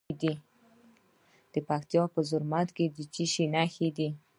د پکتیا په زرمت کې د څه شي نښې دي؟